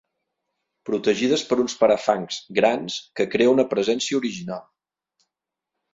Protegides per uns parafangs grans que crea una presència original.